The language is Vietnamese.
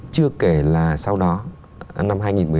chưa kể là sau đó năm hai nghìn một mươi tám